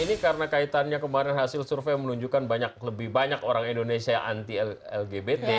ini karena kaitannya kemarin hasil survei menunjukkan lebih banyak orang indonesia yang anti lgbt